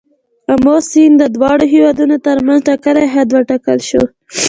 آمو سیند د دواړو هیوادونو تر منځ ټاکلی حد وټاکل شو.